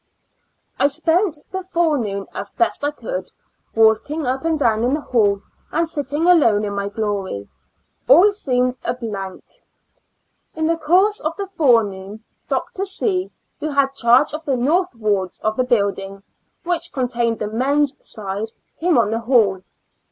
I spent the forenoon as best I could, walking up and down the hall, and sitting alone in my glory; all seemed a blank. In the course of the forenoon Dr. C, who had charo^e of the north wards of the build ing, which contained the men's side, came on the hall.